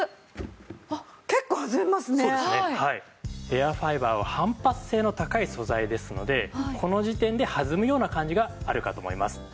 エアファイバーは反発性の高い素材ですのでこの時点で弾むような感じがあるかと思います。